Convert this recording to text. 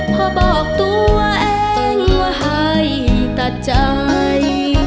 พอบอกตัวเองว่าให้ตัดใจ